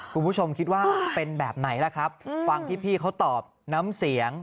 คุณผู้ชมคิดว่าเป็นแบบไหนล่ะครับฟังพี่เขาตอบน้ำเสียง